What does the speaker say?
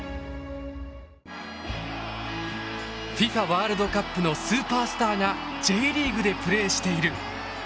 ワールドカップのスーパースターがＪリーグでプレーしている。